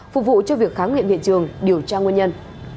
phục vụ cho việc khám nghiệm hiện trường điều tra nguyên nhân